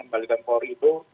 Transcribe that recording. kembalikan polri itu